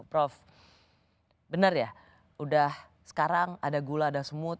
prof benar ya udah sekarang ada gula ada semut